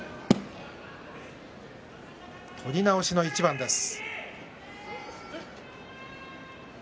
取り直しの一番です。